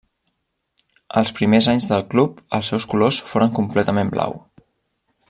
Els primers anys del club els seus colors foren completament blau.